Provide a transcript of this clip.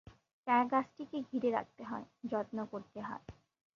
চারাগাছটিকে ঘিরে রাখতে হয়, যত্ন করতে হয়।